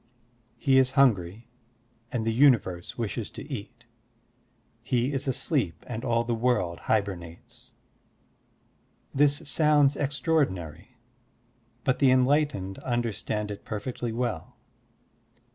He is hungry and the universe wishes to eat; he is asleep and all the world hybemates. This sotmds extraordinary, but the enlightened understand it perfectly well.